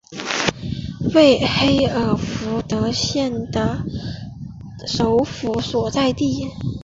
为黑尔福德县的首府所在地。